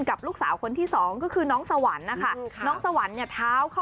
กับลูกสาวคนที่สองก็คือน้องสวรรค์นะคะ